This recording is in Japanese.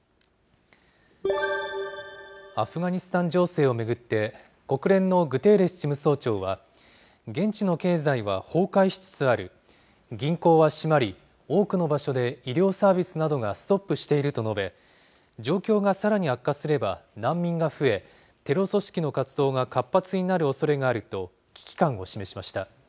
アフガニスタン情勢を巡って、国連のグテーレス事務総長は、現地の経済は崩壊しつつある、銀行は閉まり、多くの場所で医療サービスなどがストップしていると述べ、状況がさらに悪化すれば、難民が増え、テロ組織の活動が活発になるおそれがあると危機感を示しました。